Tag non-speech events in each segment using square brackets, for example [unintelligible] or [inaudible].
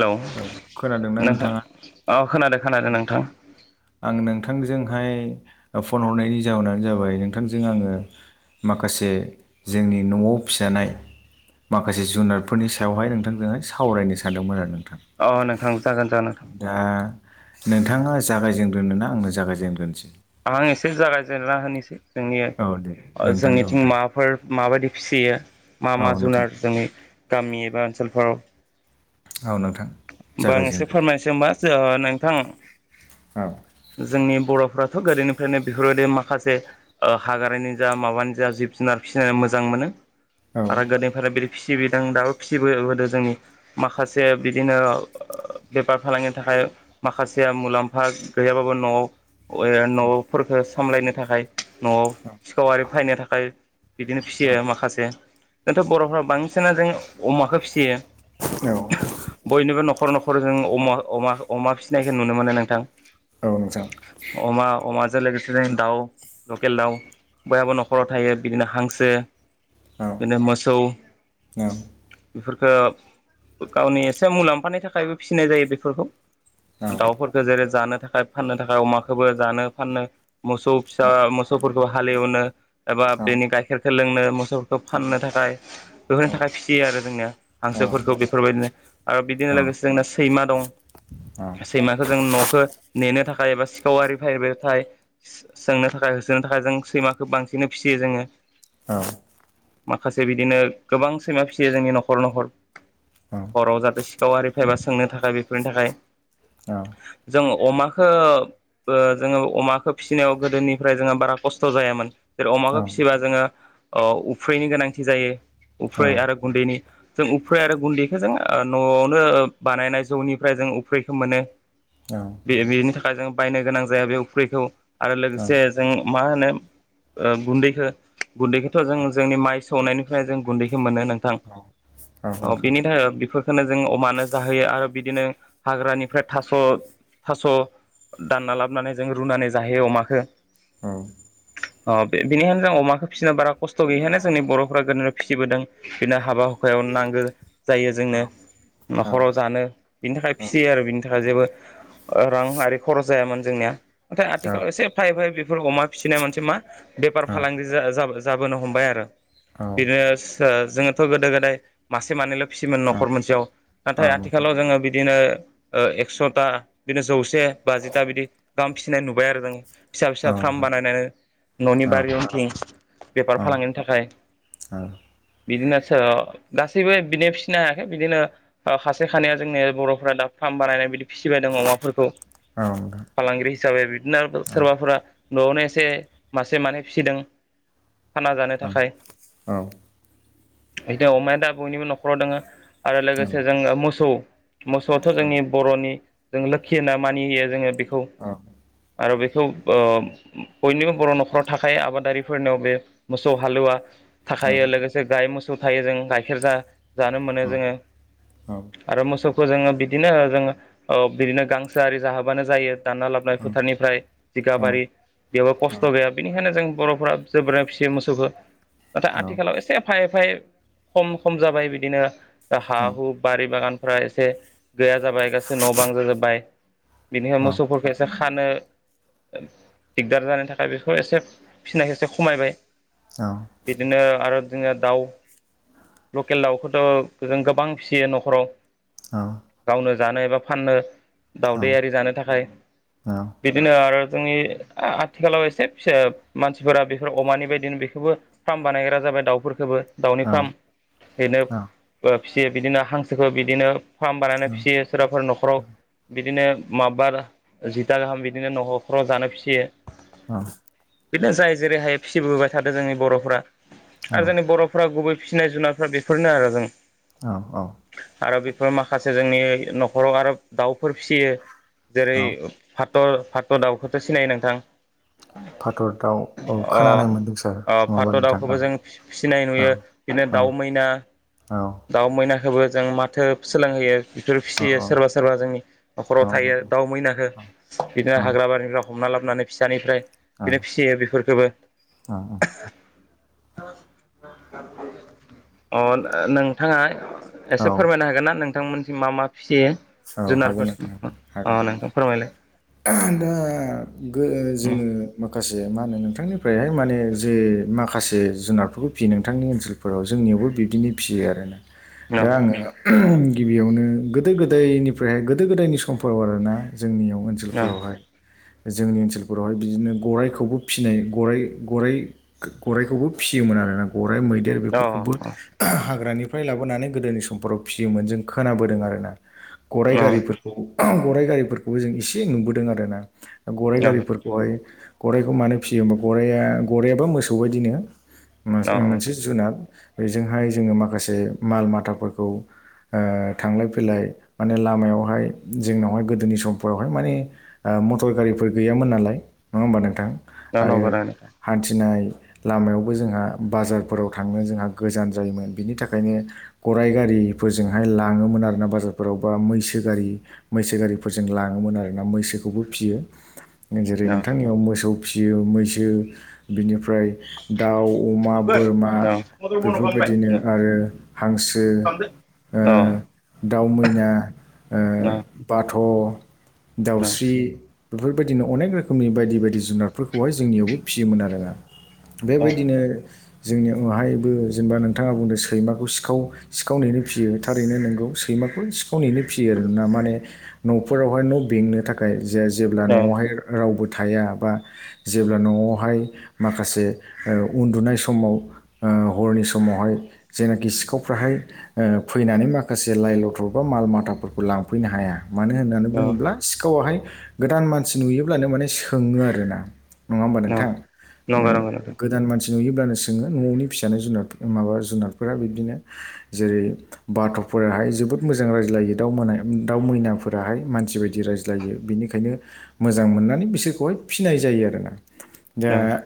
Hello औ खोनादोंना नोंथां नोंथाङा अ खोनादों खोनादों नोंथां आं नोंथांजोंहाय फन हरनायनि जाहोनानो जाबाय नोंथांजों आङो माखासे जोंनि न'आव फिसानाय माखासे जुनारफोरनि सायावहाय नोंथांजोंहाय सावरायनो सानदोंमोन आरो नोंथां अ' नोंथां जागोन जागोन नोंथां दा नोंथाङा जागायजेनग्रोनोना आंनो जागायजेनग्रोनोसै? आं एसे जागायजेनना होनोसै जोंनि औ दे नोंथां औ जोंनिथिं दे माबाफोर माबायदि फिसियो मा औ मा नोंथां जुनार जोंनि गामि एबा ओनसोलफोराव औ नोंथां होमबा आं एसे जागायजेनदो फोरमायनोसै होमबा ज नोंथां औ जोंनि बर'फ्राथ' गोदोनि फ्रायनो बेफोरबादि माखासे ओ हाग्रानि‌ जा माबानि जा जिब-जुनार फिसिना मोजां मोनो औ आरो गोदोनिफ्राय बिदि फिसिबोदों दाबो फिसिबो बोदों जोंनि माखासे बिदिनो बेफार फालांगिनि थाखाय माखासेया मुलामफा गैयाबाबो न'आव न'फोरखौ सामलायनो थाखाय न'आव सिखाव आरि फायनो थाखाय बिदिनो औ फिसियो माखासे दाथ' बर'फोरा बांसिनानो जों अमाखौ फिसियो औ बयनिबो न'खर न'खर जों अ-अमखौ अमा‌ फिसिनायखौ नुनो मोनो नोंथां औ नोंथां अमा अमाजों लोगोसेनो दाउ लखेल दाउ बयहाबो न'खराव थायो बिदिनो हांसो औ बिदिनो मोसौ औ बेफोरखौ गावनि मुलाम्फानि थाखायबो फिसिनाय जायो बेफोरखौ दाउफोरखौ जेरै जानो थाखाय फाननो थाखाय अमाखौबो जानो फानो मोसौ फिसा मोसौफोरखौ हालेवनो एबा बेनि गाइखेरखौ लोंनो मोसौ फाननो थाखाय बेफोरनि थाखाय फिसियो आरो जोंनियाव औ हांसौफोरखौ बेफोर बयदिनो आरो औ बिदिनो औ लोगोसे ओ जोंना सैमा दं सैमाखौ जों न'खौ नेनो थाखाय ऐसा सिखाव‌ आरि फैबाथाय सोंनो थाखाय सोंनो थाखाय जों सैमाखौ बांसिन फिसियो जों औ माखासे बिदिनो गोबां सैमा फिसियो जोंनि न'खर न'खर औ न'आव जाहाथे सिखाव आरि फायबा सोंनो थाखाय बेफोरनि थाखाय औ जों अमाखो ओ जोङो अमाखौ फिसिनायाव गोदोनिफ्राय जोङो बारा खस्थ' जायामोन जेरै अमाखौ फिसिबा जोङो उफ्ररैनि गोनांथि जायो उफ्रै आरो गुन्दैनि जों उफ्ररै आरो गुन्दैखौ जों ओ न'आवनो बानायनाय अफ्रिखौ माने औ बे बेनि थाखाय जों बायनो गोनां जाया बे अफ्रिखौ आरो लोगोसे जों मा होनो ओ गुनदैखौ गुनदैखौथ जों माय सौनायनिफ्राय जों गुन्दैखौ मोनो नोंथां ओ बिदिनो थाखाय बेफोर खौ जों अमानो जाहोयो आरो बिदिनो हाग्रानिफ्राय थास' थास' दानना लाबोनानै जों रूनानै जायो अमाखौ औ अ बेनिखायनो जों अमाखौ फिसिनो बारा खस्थ गैयिखायनो जोंनि बर' फोरा गोदोनो फिसिबोदों बिदिनो हाबा हुखायाव नांगौ जायो जोंनो न'खराव जानो बिनि थाखाय फिसियो आरो बिनि थाखाय जेबो रां आरि खरस जायामोन जोंनिया आथिखालाव एसे एफा एफाय बेफोर अमा फिसिनाय मोनसे मा बेफार फालांगि जाबोनो हमबाय आरो बिदिनो जोङोथ' गोदो गोदाय मासे मानैल' फिसियोमोन नखर मोनसेयाव नाथाय आथिखालाव जोङो बिदिनो एक्स'था बिदिनो जौसे बाजिथा बिदि गाहाम फिसिनाय नुबाय आरो जों फिसा फिसा फार्म बानायनानै न'नि बारि उनथिं बेफार फालांगिनि थाखाय औ बिदिनोच गासैबो बिनो फिना बिदिनो खासे खानायया जोंनि बर'फोरा दा फार्म बानायनाय बिदि फिसिबाय दं अमाफोरखौ फालांगिरि हिसाबै बिदिनो औ सोरबाफोरा न'आवनो एसे मासे मानै फिसिदों खाना जानो थाखाय बिदिनो अमाया दा बयनिबो न'खराव दोङो आरो लोगोसे जोङो मोसौ मोसौआथ' जोंनि बर'नि जों लोखि होनो मानि होयो जोङो बेखौ आरो बेखौ बयनिबो बर' न'खराव थाखाय आबादारिफोरनियाव बे मोसौ हालुवा थाखायो लोगोसे गाय मोसौ थायो जों गाइखेर जा जानो मोनो जोङो आरो मोसौखौ जोङो बिदिनो जोङो बिदिनो गांसोआ आरि जाहोबानो जायो दाना लाबो फोथारनिफ्राय जिगाबारि बेयावबो खस्थ' गैया बेनिखायनो जों बर'फ्रा जोबोरै फिसि मोसौखौ नाथाय आथिखालाव एसे एफा एफा खम खम जाबाय बिदिनो हा हु बारि बागानफ्रा एसे गैया जाबाय गासै न' बां जाजोब्बाय बिनिफ्रायाय मोसौफोरखौ ए जो खानो दिगदार जानायनि थाखाय बेखौ एसे फिनायखौ एसे खमायबाय औ बिदिनो आरो जोंङो दाउ लकेल दाउखौथ' जों गोबां फिसियो न'खराव औ गावनो जानो एबा फाननो दावदैआारि जानो थाखाय बिदिनो आरो जोंनि आथिखालाव एसे फिसा मानसिफोरा बेफोर अमानि बायदिनो बेखौबो फार्म बानायग्रा जाबाय दाउफोरखौबो दाउनि फार्म बेनो फिसियो बिदिनो हांसोखौ बिदिनो फार्म बानायनानै फिसियो सोरबाफोर न'खराव बिदिनो माबा जिथा गाहाम बिदिनो न'खराव जानो फिसियो अ बिदिनो जाय जेरैहाय फिसिबोबाय थादों जोंनि बर'फोरा आरो जोंनि बर' फ्रा गुबै फिसिनाय जुनारफ्रा बेफोरनो आरो जों औ औ आरो बेफोर माखासे जोंनि न'खराव आरो दाउफोर फिसियो जेरै फाथ' फाथ' दाउखौथ' सिनायो नोंथां फाथर दाउ औ अ खोनानाय मोन्दों सार अ फाथ' नङाबा नोंथां दाउखौबो औ जों फिसिनाय औ नुयो बिदिनो दाउ मैना औ दाउ मैनाखौबो जों माथो सोलोंहोयो बेफोर औ फिसियो सोरबा सोरबा जोंनि न'खराव थायो दाउ मैना हो बिदिनो हाग्रा बारिनिफ्राव हमना लाबोनानै फिसानिफ्राय बिनो फिसियो बेफोरखौबो अ नोंथाङा औ एसे फोरमायनो हागोन ना नोंथांमोनसिम मा मा फिसियो औ हागोन जुनारफोर नोंथां हागोन हागोन अ नोंथां फोरमायलाय दा गो अ जोङो माखासे मा होनो नोंथांनिफ्रायहाय माने जे मा खासे जुनारफोरखौ फियो नोंथांनि ओनसोलफोराव जोंनियावबो बिबदिनो फियो आरोना अ दा आङो गिबियावनो गोदो गोद दायनिफ्रायहाय गोदो गोदायनि समफोराव आरोना जोंनियाव ओनसोलफोरावहाय जोंनि ओनसोलफोरावहाय बिदिनो गराइखौबो फिनाय गराइ गराइ गराइखौबो फियोमोन आरोना गराइ मैदेर बेफोरखौबो हाग्रानिफ्राय लाबोनानै गोदोनि समफोराव फियोमोन जों खोनाबोदों आरोना गराइ अ गारिफोरखौ गराइ गारिफोरखौबो जों एसे नुबोदों आर ना गराइ अ गारिफोर गाइ गराइखौ मानो फिसियो होमबा गराइआ गराइाबा मोसौ बायदिनो अ मोनसे जुनाद बेजोंहाय जोङो माखासे माल माथाफोरखौ थांलाय फैलाय माने लामायावहाय जोंनावहाय गोदोनि समफोरावहाय माने मटर गारिफोर गैयामोन नालाय नंङा होम्बा नोंथां आरो [unintelligible] हान्थिनाय लामायावबो जोंहा बाजारफोराव थांनो जोंहा गोजान जायोमोन बिनि थाखायनो गरराय गारिफोरजोंहाय लाङोमोन आरोना बाजार। फोरावबा मैसो गारि मैसो गारिफोरजों लाङोमोन आरोना मैसोखौबो फियो जेरै- जोबोर नोंथांनियाव मोसौ फिसियो मैसो बिनिफ्राय दाउ अमा बोरमा बन्द' खालामबाय बेफोरबायदिनो आरो हांसो खालामदो ओ अ दाउ मैना ओ बाथ' दाउस्रि बेफोरबायदिनो अनेक रोखोमनि बायदि बायदि जुनारफोरखौहाय जोंनियावबो फिसियोमोन आरो ना बेबायदिनो जोंनि उनावहायबो जेनेबा नोंथाङा बुंदों सैमाखौ सिखाव सिखाव नेनो फियो थारैनो नोंगौ सैमाखौ सिखाव नेनो फियो आरो ना माने न'फोरावहाय न' बेंनो था खाय जे जेब्ला अ न'आवहाय रावबो थाया बा जेब्ला न'आवहाय माखासे ओ उन्दुनाय समाव ओ हरनि समावहाय जेनाखि सिखावफ्राहाय ओ फैनानै माखासे जे लाय लथर बा माल माथाफोरखौ लांफैनो हाया मानो होननानै अ बुङोब्ला सिखावाहाय गोदान मानसि नुयोब्लानो माने सोंङो आरोना नङा होमबा अ नोंथां ओ नंगौ नंगौ नोंथां गोदान मान सि नुयोब्लानो सोंङो न'नि फिसानो जुनाद माबा जुनादफोरा बिबदिनो जेरै बाथ' फोराहाय जोबोद मोजां रायज्लायो दाउ दाउ मैनाफोराहाय मानसि बायदि रायज्लायो बेनिखायनो मोजां मोननानै बिसोरखौहाय फिनाय जायो आरोना दा औ औ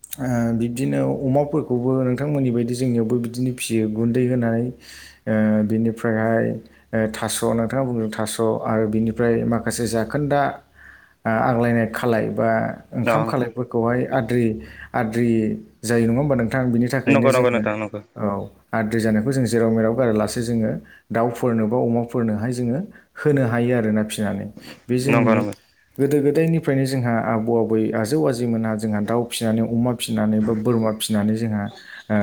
ओ बिब्दिनो अमाफोरखौबो नोंथांमोननि बायदि जोंनियावबो बिदिनो फियो गुन्दै होनाय ओ बिनिफ्रायहाय ओ थास' नोंथाङा बुंदों थास' आरो बिनिफ्राय माखासे जाखोन्दा ओ आग्लायनाय खालाय बा ओंखाम खालायफोरखौहाय आद्रि आद्रि जायो नङा होमबा नोंथां बिनि थाखायनो नंगौ नंगौ जोङो नोंथां औ आद्रि जानायखौ जों जेराव मेराव गारा लासे जोङो दाउफोरनो बा अमाफोरनोहाय जोङो होनो हायो आरोना फिनानै बे नंगौ नंगौ जोंनि गोदो गोदायनिफ्रायनो जोंहा आबौ आ बै आजौ आजै मोनहा जोंहा दाउ फिनानै अमा फिनानै बा बोरमा फिनानै जोंहा ओ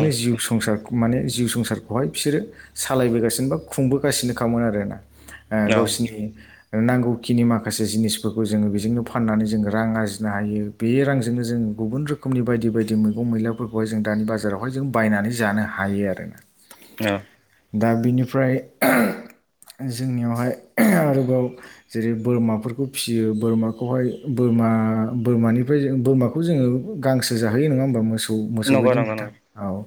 औ जिउ संसार माने जिउ संसारखौहाय बिसोरो सालायबोगासिनो बा खुंबोगासिनोखामोन आरोना ओ औ गावसिनि नांगौखिनि माखासे जिनिसफोरखौ जोङो बेजोंनो फाननानै जोङो रां आरजिनो हायो। बे रांजोंनो जों गुबुन रोखोमनि बायदि बायदि मैगं मैलाफोरखौहाय जों दानि बाजारावहाय जों बायनानै जानो हायो आरोना नो दा बिनिफ्राय जोंनियावहाय आरोबाव जेरै बोरमाफोरखौ फिसियो बोरमाखौहाय बोरमा बोरमानिफ्राय जों बोरमा जोङो गांसो जाहोयो नङा होमबा मोसौ औ मोसौ नंगौ बायदि नंगौ नोंथां नंगौ औ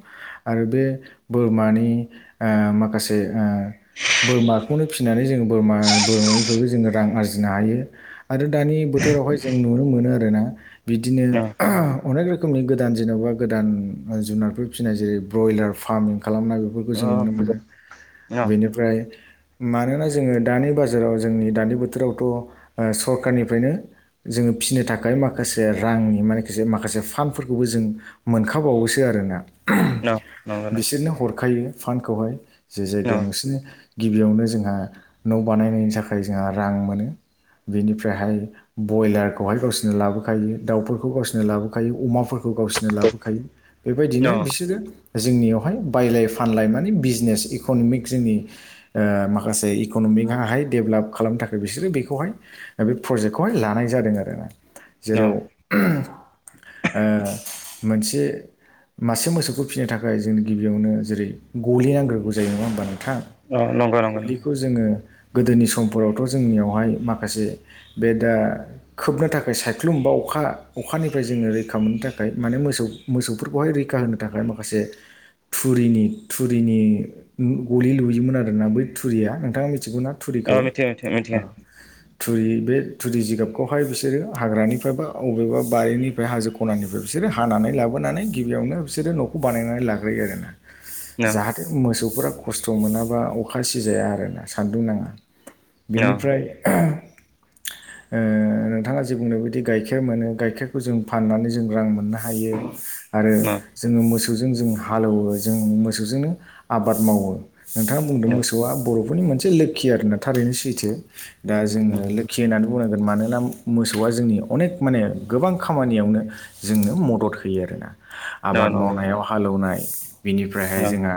आरो बे बोरमानि ओ माखासे बे ओ बोरमाखौनो फिनानै जोङो बोरमा बोरमानिफ्रायबो जोङो रां आरजिनो हायो। आरो दानि बोथोरावहाय जों नुनो मोनो आरोना बिदिनो औ अनेक रो खोमनि गोदान जेन'बा गोदान जुनारफोर फिसिनाय जेरै बयलार फार्म खालामनाय फोरखौ औ जों नुनो मोनो बेनिफ्राय मानोना जोङो दानि बाजाराव जोंनि दानि बोथोरावथ' ओ सरखारनिफ्रायनो जोङो फिनो थाखाय माखासे रांनि माने माखासे फान्डफोरखौबो जों मोनखाबावोसो आरोना नंगौ नंगौ औ बिसोरनो हरखायो फान्डखौहाय जे जायगायाव नोंसोरनि गिबियावनो जोंहा न' बानायनायनि थाखाय जोंहा रां मोनो बेनिफ्रायहाय बयलारखौहाय गावसोरनो लाबोखायो दाउफोरखौ गावसोरनो लाबोखायो अमाफोरखौ गावसोर नो लाबोखायो बेबायदिनो बिसोरो जोंनियावहाय बायलाय फानलाय माने बिजनेस इक'न'मिक जोंनि ओ माखासे इक'न'मिकाहाय डेभलप खालामनो थाखाय बिसोरो बेखौहाय ओ बे प्रजेक्टखौहाय लानाय जादों आरो ना जेराव आ मोनसे मासे मोसौखौ फिसिनो थाखाय जोंनि गिबि बेयावनो जेरै गलि नांग्रोगौ जायो नङा होमबा नोंथां नंगौ नंगौ नंगौ गलिखौ जोङो गोदोनि समफोरावथ' जोंनियावहाय माखासे बे दा खोबनो थाखाय सायख्लुम बा अखा अखानिफ्राय जोङो रैखा मोननो थाखाय माने मोसौ मोसौफोरखौहाय रैखा होनो थाखाय माखासे थुरिनि थुरिनि गलि लुयोमोन आरोना बै थुरिया नोंथाङा मिथिगौ ना? थुरिखौ औ मिथियो मिथियो आ मिथियो थुरि बे थुरि जिगाबखौहाय बिसोरो हाग्रानिफ्राय बा बबेबा बारिनिफ्राय हाजो खनानिफ्राय बिसोरो हानानै लाबोनानै गिबियावनो बिसोरो न'खौ बानायनानै लाग्रोयो आरोना। औ औ जाहा थे मोसौफोरा खस्थ' मोनाबा अखा सिजाया आरोना सान्दुं नाङा। बेनिफ्राय ओ नोंथाङा जे बुंनाय बायदि गाइखेर मोनो गाइखेरखौ जों फाननानै जों रां मोननो हायो आरो जोङो मोसौजों जोङो हालौवो। जों मोसौजोंनो आबाद मावो नोंथाङा बुंदों मोसौआ बर' फोरनि मोनसे लोखि आरोना थारैनो सैथो दा जोङो लोखि होननानै बुंनांगोन मानोना मोसौआ जोंनि अनेक माने गोबां खामानियावनो जोंनो मदद होयो आरोना। आबाद नंगौ मावनायाव हालेवनाय बिनिफ्रायहाय औ जोंहा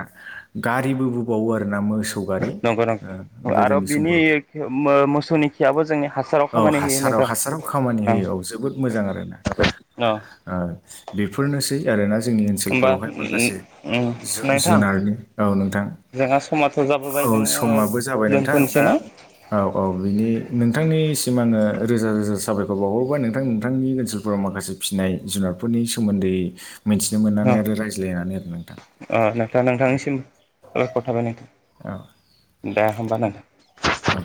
गारिबो बोबावो आरोना मोसौ गारि नंगौ नोंथा आरो गोदोनि बिनि समफोरावथ' मो मोसौनि खियाबो जोंनि हासाराव औ खामानि होयो हासाराव नोंथां हासाराव खामानि होयो औ जोबोद मोजां आरोना। औ ओ बेफोरनोसै आरोना जोंनि होमबा ओनसोलफोरावहाय माखासे जु नोंथां जुनारनि औ नोंथां जोंहा समाथ' जाबोबाय औ जोङो समाबो जाबाय नोंथां दोनथ'नोसै दा न' औ औ बिनि नोंथांनिसिम आङो रोजा रोजा साबायखर बावहरबाय नोंथां नोंथांनि ओनसोल फोराव माखासे फिसिनाय जुनारफोरनि सोमोन्दै मिथिनो मोननानै आरो रायज्लायनानै आरो नोंथां। अ नोंथा नोंथांनिसिम साबायखर थाबाय औ नोंथां दा होमबा नोंथां। औ।